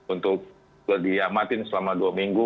untuk diamatin selama dua minggu